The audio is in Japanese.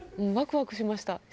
ワクワクしました。